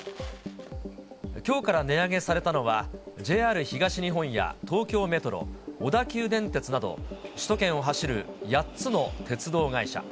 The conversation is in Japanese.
きょうから値上げされたのは、ＪＲ東日本や東京メトロ、小田急電鉄など、首都圏を走る８つの鉄道会社。